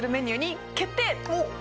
おっ。